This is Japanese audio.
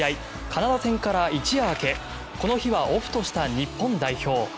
カナダ戦から一夜明けこの日はオフとした日本代表。